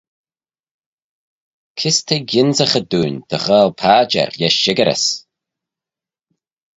Kys t'eh gynsaghey dooin dy ghoaill padjer lesh shickyrys?